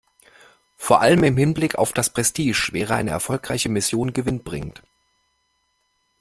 Vor allem im Hinblick auf das Prestige wäre eine erfolgreiche Mission gewinnbringend.